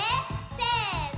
せの！